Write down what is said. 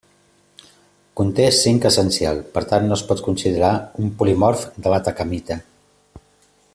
Conté zinc essencial; per tant no es pot considerar un polimorf de l'atacamita.